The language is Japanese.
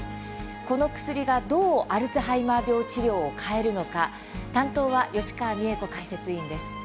この薬がどうアルツハイマー病治療を変えるのか担当は吉川美恵子解説委員です。